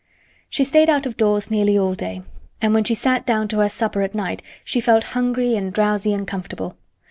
She stayed out of doors nearly all day, and when she sat down to her supper at night she felt hungry and drowsy and comfortable.